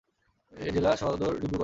এর জেলা সদর ডিব্ৰুগড়।